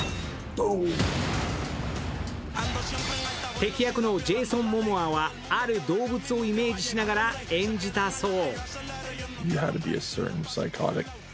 敵役のジェイソン・モモアはある動物をイメージしながら演じたそう。